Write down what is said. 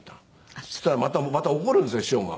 そしたらまた怒るんですよ師匠が。